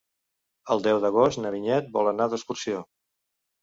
El deu d'agost na Vinyet vol anar d'excursió.